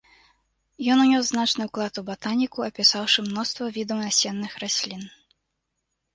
Ён унёс значны ўклад у батаніку, апісаўшы мноства відаў насенных раслін.